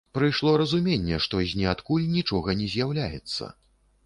Прыйшло разуменне, што з ніадкуль нічога не з'яўляецца.